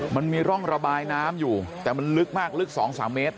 มันมีร่องระบายน้ำอยู่แต่มันลึกมากลึก๒๓เมตร